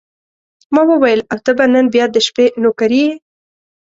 ما وویل: او ته به نن بیا د شپې نوکري یې.